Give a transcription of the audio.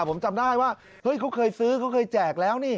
ผมจำได้ว่าเฮ้ยเขาเคยซื้อเขาเคยแจกแล้วนี่